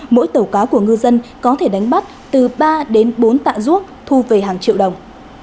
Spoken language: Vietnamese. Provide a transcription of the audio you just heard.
mỗi tàu cá của ngư dân có thể đánh bắt từ ba đến bốn tạ ruốc thu về hàng triệu đồng